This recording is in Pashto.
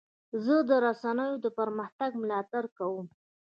زه د رسنیو د پرمختګ ملاتړ کوم.